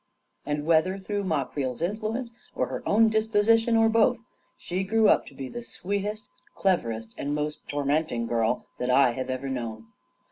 And whether through Ma Creel's influence, or her own disposition, or both, she grew uj\fo be the sweetest, cleverest, and most tormenting girl that I have ever known.